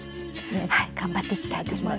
頑張っていきたいと思います。